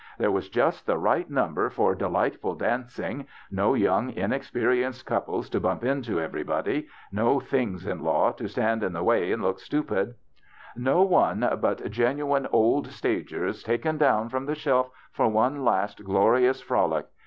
There was just the right number for delight ful dancing, no young inexperienced couples to bump into everybody, no things in law to stand in the way and look stupid ; no one but genuine old stagers taken down from the shelf for one last glorious frolic.